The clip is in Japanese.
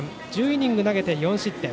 １０イニング投げて４失点。